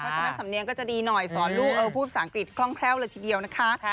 เพราะฉะนั้นสำเนียงก็จะดีหน่อยสอนลูกพูดภาษาอังกฤษคล่องแคล่วเลยทีเดียวนะคะ